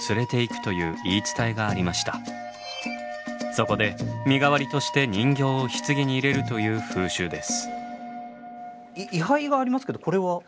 そこで身代わりとして人形を棺に入れるという風習です。